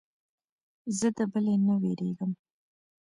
زه د بلې نه وېرېږم.